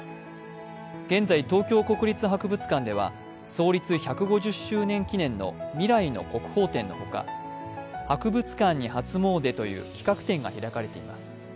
現在、東京国立博物館では創立１５０周年記念の「未来の国宝」展のほか、「博物館に初もうで」という企画展が開かれています。